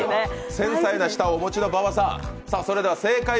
繊細な舌をお持ちの馬場さん。